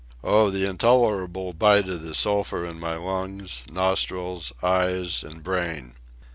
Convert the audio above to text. Oh, the intolerable bite of the sulphur in my lungs, nostrils, eyes, and brain!